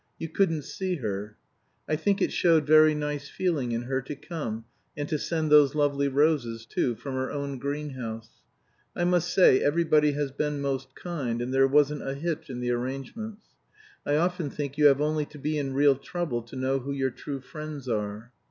You couldn't see her. I think it showed very nice feeling in her to come, and to send those lovely roses too from her own greenhouse. I must say everybody has been most kind, and there wasn't a hitch in the arrangements. I often think you have only to be in real trouble to know who your true friends are.